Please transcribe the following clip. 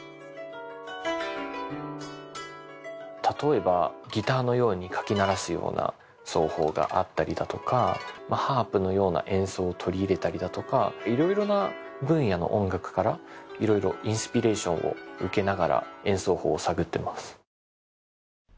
例えばギターのようにかき鳴らすような奏法があったりだとかハープのような演奏を取り入れたりだとかいろいろな分野の音楽からいろいろインスピレーションを受けながら演奏法を探ってます。